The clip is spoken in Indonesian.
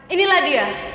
inilah dia maharatu adwitya